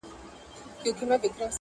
چي تا نه مني داټوله ناپوهان دي؛